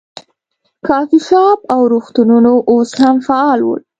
کافې شاپ او روغتونونه اوس هم فعال ول.